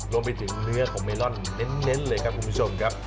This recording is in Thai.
รวมไปถึงเนื้อของเมลอนเน้นเลยครับคุณผู้ชมครับ